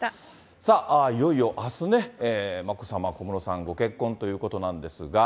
さあ、いよいよあすね、眞子さま、小室さん、ご結婚ということなんですが。